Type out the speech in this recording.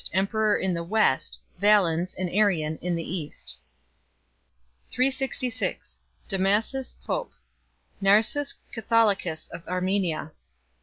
emperor in the West, Valens (an Arian) in the East. 366 Damasus Pope. Narses Catholicus of Armenia.